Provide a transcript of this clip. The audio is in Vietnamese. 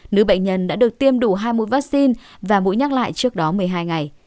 nữ bệnh nhân đã được tiêm đủ hai mươi vaccine và mũi nhắc lại trước đó một mươi hai ngày